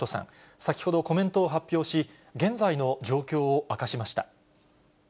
先ほどコメントを発表し、現在の状況を明かしました。